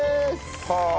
はあ！